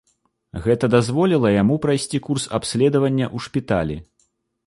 Гэта дазволіла яму прайсці курс абследавання ў шпіталі.